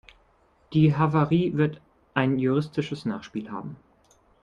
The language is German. Die Havarie wird ein juristisches Nachspiel haben.